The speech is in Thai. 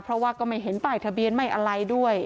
เพราะว่าก็ไม่เห็นป้ายทะเบียนไม่อะไรด้วย